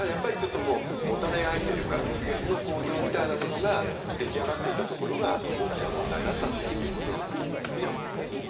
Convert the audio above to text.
もたれ合いというか蜜月の構造みたいなものが出来上がっていたところが大きな問題だったと思います。